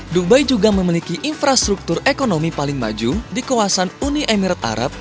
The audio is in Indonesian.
dubai juga memiliki infrastruktur ekonomi paling maju di kawasan uni emirat arab